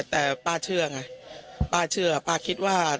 แต่ป้าเชื่อไงป้าเชื่อป้าคิดว่า